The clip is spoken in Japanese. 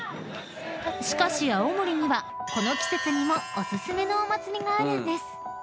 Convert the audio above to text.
［しかし青森にはこの季節にもお薦めのお祭りがあるんです］